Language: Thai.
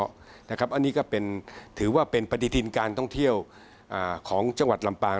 อันนี้ก็ถือว่าเป็นปฏิทินการท่องเที่ยวของจังหวัดลำปาง